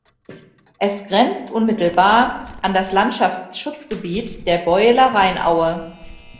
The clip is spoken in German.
Es grenzt unmittelbar an das Landschaftsschutzgebiet der Beueler Rheinaue.